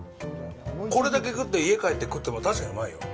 これだけ食って、家帰って食っても確かにうまいよ。